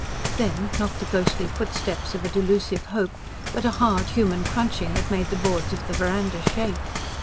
Then, not the ghostly footsteps of a delusive hope, but a hard, human crunching that made the boards of the verandah shake.